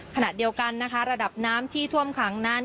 ขณะเดียวกันนะคะระดับน้ำที่ท่วมขังนั้น